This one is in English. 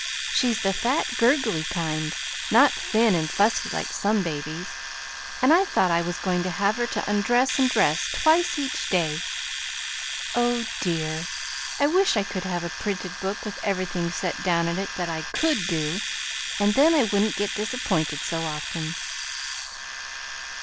She's the fat, gurgly kind, not thin and fussy like some babies, and I thought I was going to have her to undress and dress twice each day. Oh dear! I wish I could have a printed book with everything set down in it that I COULD do, and then I wouldn't get disappointed so often."